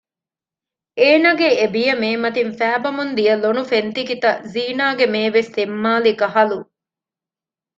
އޭނަގެ އެބިޔަ މޭމަތިން ފައިބަމުން ދިޔަ ލޮނު ފެންތިކިތައް ޒީނާގެ މޭވެސް ތެއްމާލިކަހަލު